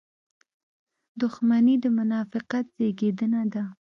• دښمني د منافقت زېږنده ده.